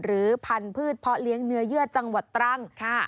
หรือพันธุ์เพาะเลี้ยงเนื้อเยื่อจังหวัดตรัง